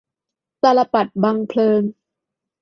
ตาลปัตรบังเพลิง